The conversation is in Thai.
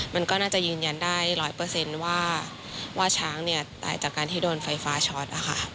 มันก็น่าจะยืนยันได้๑๐๐ว่าช้างเนี่ยตายจากการที่โดนไฟฟ้าช็อต